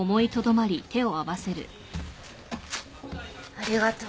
ありがとう。